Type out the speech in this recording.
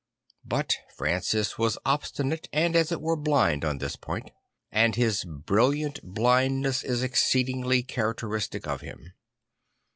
But Francis was obstinate and as it were blind on this point; and his brilliant blindness is exceed ingly characteristic of him.